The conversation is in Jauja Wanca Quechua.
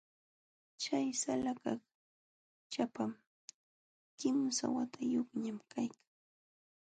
Chay salakaq ćhapam, kimsa watayuqñam kaykan.